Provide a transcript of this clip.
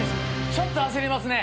ちょっと焦りますね。